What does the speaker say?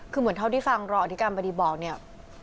คือเหมือนเท่าที่ฟังรออธิการบดีบอกเนี่ย